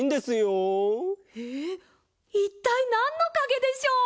いったいなんのかげでしょう？